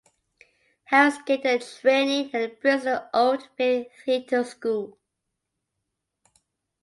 Harris gained her training at the Bristol Old Vic Theatre School.